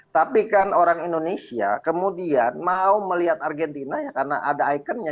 tapi kan orang indonesia kemudian mau melihat argentina ya karena ada ikonnya